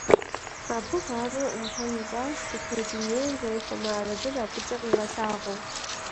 Абы гъащӀэр Ӏумпэм ищӀащ, зытет дунейм зэрыхуэмыарэзыр абыкӀэ къигъэлъагъуэу.